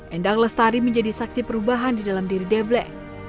endang lestari menjadi saksi perubahan di dalam diri debleng